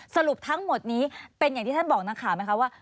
สรุปทั้งหมดนี้เป็นอย่างที่ท่านบอกนักข่าวไหมคะว่า